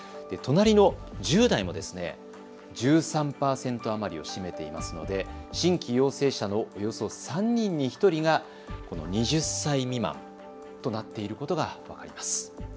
隣の１０代も１３％余りを占めていますので新規陽性者のおよそ３人に１人がこの２０歳未満となっていることが分かります。